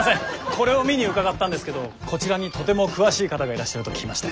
これを見に伺ったんですけどこちらにとても詳しい方がいらっしゃると聞きまして。